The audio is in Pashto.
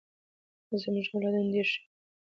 زمونږ اولادونه ډېر شوي ، که مونږ هم د پلار په شان